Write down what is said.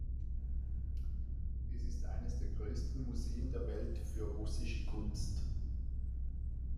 Es ist eines der größten Museen der Welt für russische Kunst.